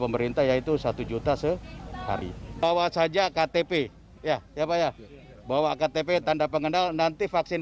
pemerintah yaitu satu juta sehari bawa saja ktp ya ya pak ya bawa ktp tanda pengenal nanti vaksin